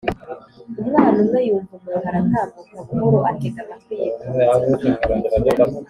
Umwana umwe yumva umuntu aratambuka buhoro atega amatwi yitonze